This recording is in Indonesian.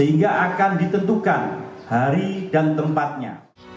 sehingga akan ditentukan hari dan tempatnya